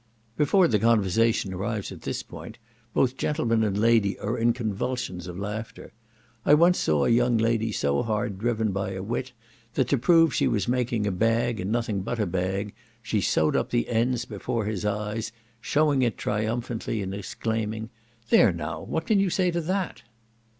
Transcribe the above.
Before the conversation arrives at this point, both gentleman and lady are in convulsions of laughter. I once saw a young lady so hard driven by a wit, that to prove she was making a bag, and nothing but a bag, she sewed up the ends before his eyes, shewing it triumphantly, and exclaiming, "there now! what can you say to that?"